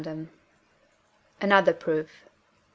D. Another Proof.